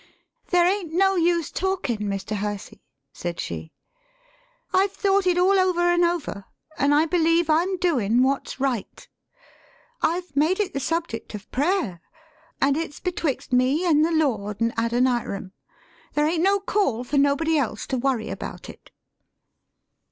] "There ain't no use talkin', Mr. Hersey," said she. "I've thought it all over an' over, an' I believe I'm doin' what's right. I've made it the subject of prayer, an' it's betwixt me an* the Lord an' Adoniram. There ain't no call for nobody else to worry about it."